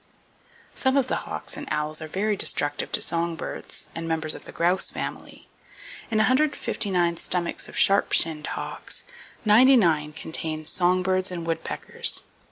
Some of the hawks and owls are very destructive to song birds, and members of the grouse family. In 159 stomachs of sharp shinned hawks, 99 contained song birds and woodpeckers.